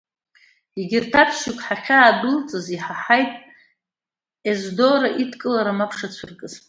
Егьырҭ аԥшьҩык ҳахьаадәылҵыз иҳаҳаит Ездора идкылара мап шацәыркыз.